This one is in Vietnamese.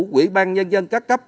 quỹ ban nhân dân các cấp